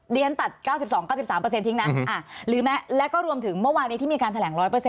เรียนตัด๙๒๙๓ทิ้งนะหรือแล้วก็รวมถึงเมื่อวานนี้ที่มีการแถลง๑๐๐